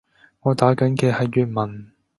我打緊嘅係粵文